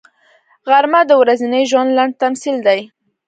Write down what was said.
غرمه د ورځني ژوند لنډ تمثیل دی